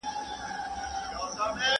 ¬ کم اصل چي کوم ځاى خوري، هلته خړي.